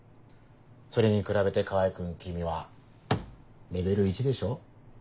それに比べて川合君君はレベル１でしょ？